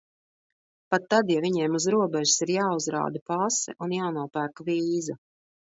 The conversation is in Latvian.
Pat tad, ja viņiem uz robežas ir jāuzrāda pase un jānopērk vīza.